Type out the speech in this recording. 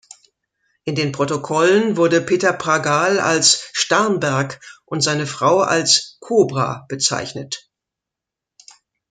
In den Protokollen wurde Peter Pragal als „Starnberg“ und seine Frau als „Kobra“ bezeichnet.